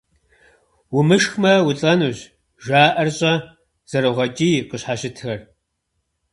- Умышхмэ, улӀэнущ! ЖаӀэр щӀэ! - зэрогъэкӀий къыщхьэщытхэр.